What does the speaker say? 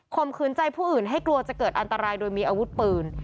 มขืนใจผู้อื่นให้กลัวจะเกิดอันตรายโดยมีอาวุธปืน